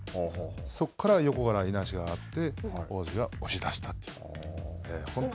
そこから横からいなしがあって大関が押し出したという。